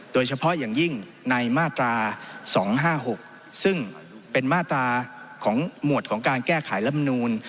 โดยเฉพาะอย่างยิ่งในมาตรา๒๕๖ซึ่งเป็นมาตราของหมวดของการแก้ไขลำนูล